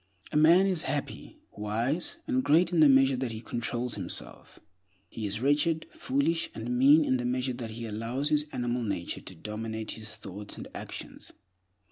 A man is happy, wise, and great in the measure that he controls himself; he is wretched, foolish, and mean in the measure that he allows his animal nature to dominate his thoughts and actions.